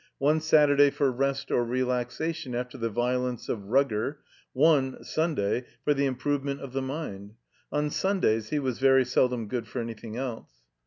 One (Saturday) for rest or re laxation after the violence of Rugger. One (Sun day) for the improvement of the mind. On Stmdays he was very seldom good for anything else.